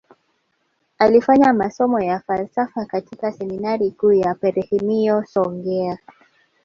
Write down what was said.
Alifanya masomo ya falsafa katika seminari kuu ya peremiho songea